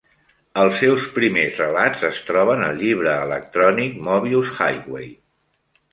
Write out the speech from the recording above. Els seus primers relats es troben al llibre electrònic "Mobius Highway".